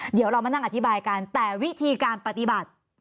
เดี๋ยวเรามานั่งอธิบายกันแต่วิธีการปฏิบัติ